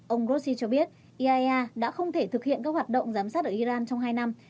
ông grossi cho biết iaea đã không thể thực hiện các hoạt động giám sát ở iran trong hai năm